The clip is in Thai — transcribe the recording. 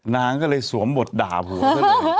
นางก็เลยสวมบทด่าหัวก็เลย